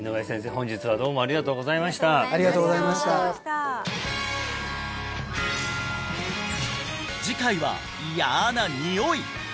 本日はどうもありがとうございましたありがとうございました次回は嫌な「ニオイ」